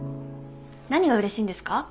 何がうれしいんですか？